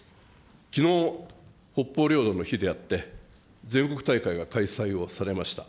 きのう、北方領土の日であって、全国大会が開催をされました。